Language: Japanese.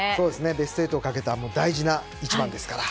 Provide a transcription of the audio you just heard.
ベスト８をかけた大事な一番ですから。